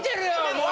もう！